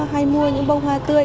hay mua những bông hoa tươi